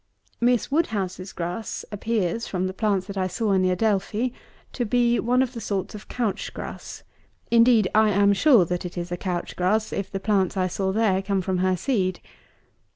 Miss WOODHOUSE'S grass appears, from the plants that I saw in the Adelphi, to be one of the sorts of Couch grass. Indeed, I am sure that it is a Couch grass, if the plants I there saw came from her seed.